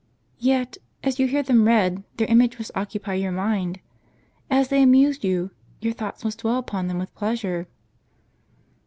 "Yet, as you hear them read, their image must occupy your mind ; as they amuse you, your thoughts must dwell upon them with pleasure."